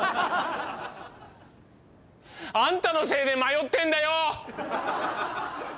あんたのせいで迷ってんだよ！